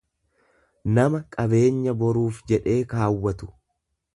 nama qabeenya boruuf jedhee kaawwatu.